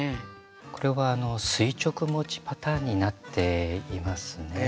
これは垂直持ちパターンになっていますね。